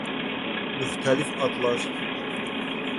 Müxtəlif adlar.